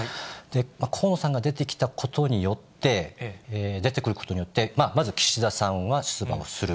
河野さんが出てきたことによって、出てくることによって、まず岸田さんは出馬をする。